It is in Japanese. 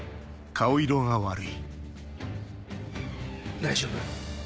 大丈夫？